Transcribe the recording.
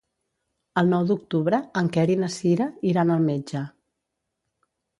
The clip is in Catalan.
El nou d'octubre en Quer i na Cira iran al metge.